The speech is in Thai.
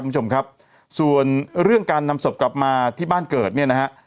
คุณผู้ชมครับส่วนเรื่องการนำศพกลับมาที่บ้านเกิดเนี่ยนะฮะ